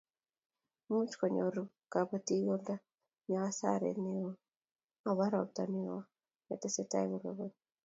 Much kunyoru kabotikab oldo nyo hasaret neoo akobo robta neoo ne tesetai koroboni